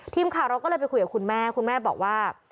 ทีมข่าวเราก็เลยไปคุยกับคุณแม่คุณแม่บอกว่า